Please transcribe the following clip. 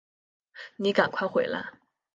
妳赶快回来